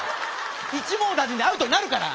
一網打尽でアウトになるから！